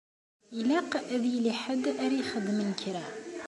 Ilaq ad yili ḥedd ara ixedmen kra.